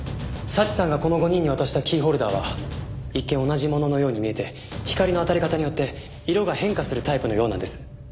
早智さんがこの５人に渡したキーホルダーは一見同じもののように見えて光の当たり方によって色が変化するタイプのようなんです。